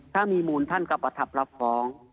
ถ้ามีมูลท่านก็ประทับรับฟ้อง